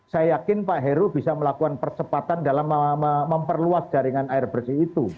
saya yakin pak heru bisa melakukan percepatan dalam memperluas jaringan air bersih itu